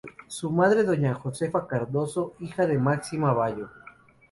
Su madre Doña Josefa Cardozo, hija de Máxima Vayo.